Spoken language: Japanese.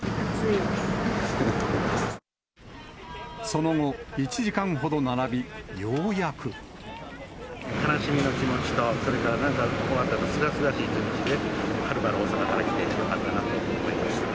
その後、１時間ほど並び、悲しみの気持ちと、それからなんかすがすがしい気持ちで、はるばる大阪から来てよかったなと思いました。